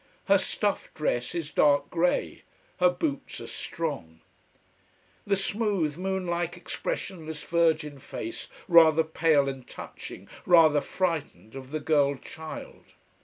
Her stuff dress is dark grey, her boots are strong. The smooth, moon like, expressionless virgin face, rather pale and touching, rather frightened, of the girl child.